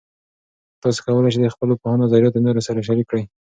تاسې کولای سئ د خپل پوهاند نظریات د نورو سره شریک کړئ.